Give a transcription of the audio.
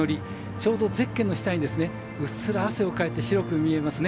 ちょうどゼッケンの下にうっすら汗をかいて白く見えますね。